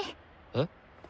えっ？